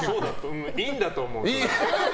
いいんだと思う。